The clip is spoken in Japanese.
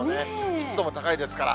湿度も高いですから。